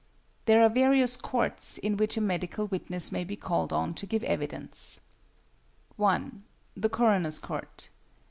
There are various courts in which a medical witness may be called on to give evidence: 1. =The Coroner's Court.